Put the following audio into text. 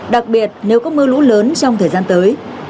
đặc biệt nếu có mưa lũ lớn trong thời gian tới